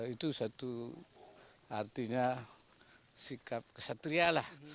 itu satu artinya sikap kesatria lah